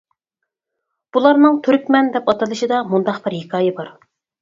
بۇلارنىڭ تۈركمەن دەپ ئاتىلىشىدا مۇنداق بىر ھېكايە بار.